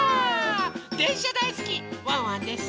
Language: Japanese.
でんしゃだいすきワンワンです！